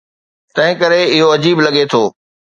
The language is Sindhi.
تنهنڪري اهو عجيب لڳي ٿو.